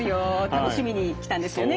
楽しみに来たんですよね？